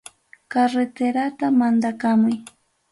Carreterata mandakamuy.